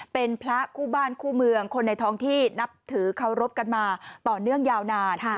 เป็นพระคู่บ้านคู่เมืองคนในท้องที่นับถือเคารพกันมาต่อเนื่องยาวนาน